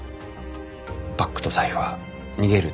バッグと財布は逃げる